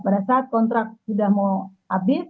pada saat kontrak sudah mau update